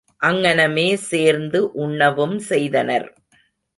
அங்ஙனமே சேர்ந்து உண்ணவும் செய்தனர்.